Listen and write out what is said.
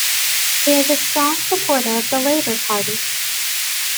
He is a strong supporter of the Labour Party.